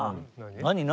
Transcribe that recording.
何？